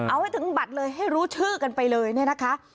เอาให้ถึงบัตรเลยให้รู้ชื่อกันไปเลยเนี่ยนะคะ